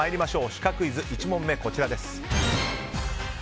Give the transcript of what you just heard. シカクイズ１問目はこちらです。